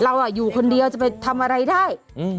เราอยู่คนเดียวจะไปทำอะไรได้